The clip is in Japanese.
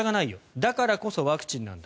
だからこそワクチンなんだ。